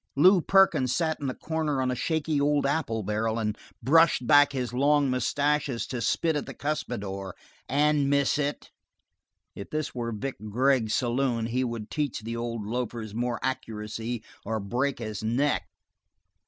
Lew Perkins sat in the corner on a shaky old apple barrel and brushed back his long mustaches to spit at the cuspidor and miss it. If this were Vic Gregg's saloon he would teach the old loafer more accuracy or break his neck.